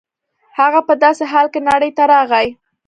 هغه په داسې حال کې نړۍ ته راغی